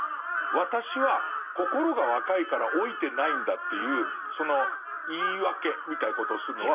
私は心が若いから老いてないんだっていうその言い訳みたいなことをするのは。